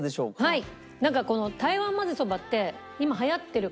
はい。